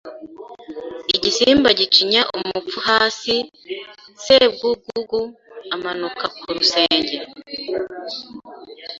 Igisimba gicinya umupfu hasi Sebwugugu amanuka ku rusenge